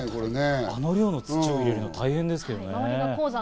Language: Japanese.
あの量の土を入れるの大変ですけどね。